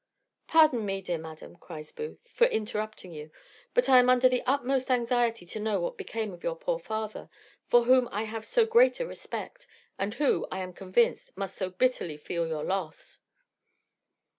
"Pardon me, dear madam," cries Booth, "for interrupting you; but I am under the utmost anxiety to know what became of your poor father, for whom I have so great a respect, and who, I am convinced, must so bitterly feel your loss."